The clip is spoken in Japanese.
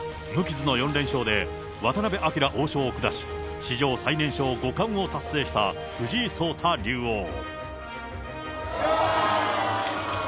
無傷の４連勝で渡辺明王将を下し、史上最年少五冠を達成した藤井聡太竜王。